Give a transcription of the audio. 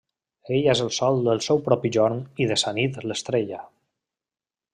Ella és el sol del seu propi jorn i de sa nit l’estrella.